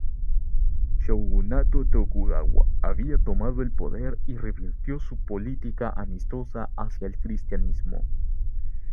Shogunato Tokugawa había tomado el poder y revirtió su política amistosa hacia el cristianismo.